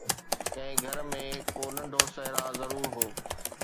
ڪنهن گهر ۾ ڪو ننڍو صحرا ضرور هو